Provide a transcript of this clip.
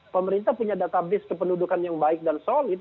pemerintah punya database kependudukan yang baik dan solid